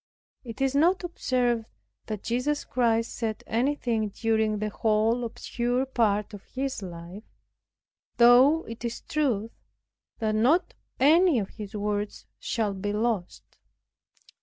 It is not observed that Jesus Christ said anything during the whole obscure part of His life, though it is true that not any of His words shall be lost.